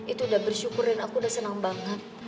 itu udah bersyukurin aku udah senang banget